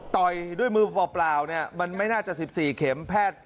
ต่อยด้วยมือเปล่ามันไม่น่าจะ๑๔เข็ม